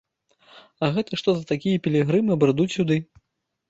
А гэта што за такія пілігрымы брыдуць сюды?